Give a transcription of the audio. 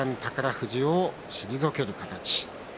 富士を退ける形。